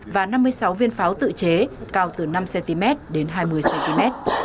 và năm mươi sáu viên pháo tự chế cao từ năm cm đến hai mươi cm